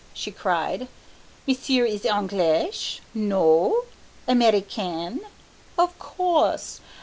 she cried. "Monsieur is Anglish? No? Americain? Off course.